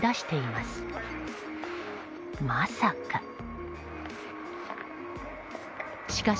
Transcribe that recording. まさか。